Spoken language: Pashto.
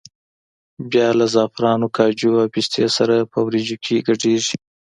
بیا له زعفرانو، کاجو او پستې سره په وریجو کې ګډېږي.